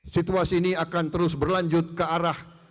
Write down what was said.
situasi ini akan terus berlanjut ke arah